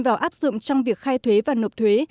vào áp dụng trong việc khai thuế và nộp thuế